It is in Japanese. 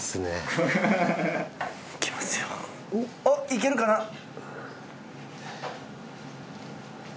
おっいけるかな？